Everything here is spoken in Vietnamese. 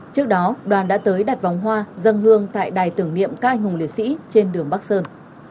trước đó đoàn đã tới đặt vòng hoa dân hương tại đài tưởng niệm các anh hùng liệt sĩ trên đường bắc sơn